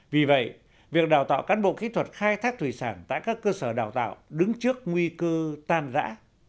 vì vậy việc đào tạo cán bộ kỹ thuật khai thác thủy sản tại các cơ sở đào tạo đứng trước nguy cơ tan rã